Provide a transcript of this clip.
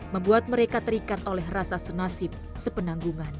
membuat mereka terikat oleh rasa senasib sepenanggungan